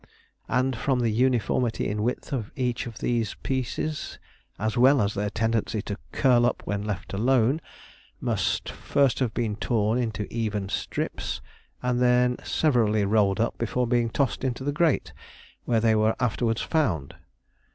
"And from the uniformity in width of each of these pieces, as well as their tendency to curl up when left alone, must first have been torn into even strips, and then severally rolled up, before being tossed into the grate where they were afterwards found."